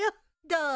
どう？